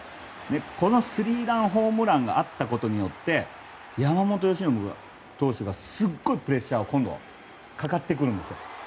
このスリーランホームランがあったことによって山本由伸投手にすごいプレッシャーが今度はかかってくるんですよ。